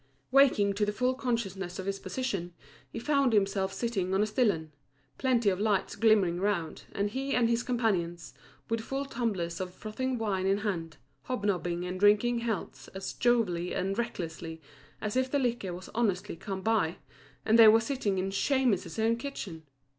Waking to the full consciousness of his position, he found himself sitting on a stillion, plenty of lights glimmering round, and he and his companions, with full tumblers of frothing wine in hand, hob nobbing and drinking healths as jovially and recklessly as if the liquor was honestly come by, and they were sitting in Shemus's own kitchen.